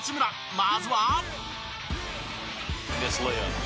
まずは。